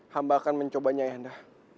hamba akan mencobanya ayah anda